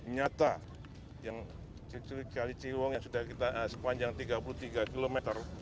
nyata yang kali ciliwung yang sudah kita sepanjang tiga puluh tiga km